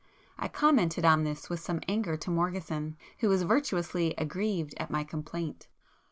I commented on this with some anger to Morgeson, who was virtuously aggrieved at my complaint.